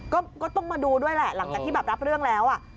ก็ต้องมาดูด้วยแหละหลังจากที่แบบรับเรื่องแล้ว